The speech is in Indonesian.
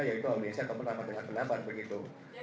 berkeistimewaan untuk sebuah acara seperti itu